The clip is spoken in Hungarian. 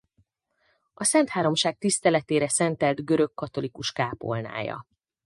A Szentháromság tiszteletére szentelt görögkatolikus kápolnája.